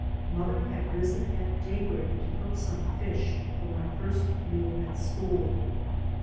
Mother had risen at daybreak to cook some fish for my first meal at school.